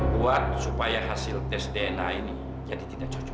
buat supaya hasil tes dna ini jadi tidak cocok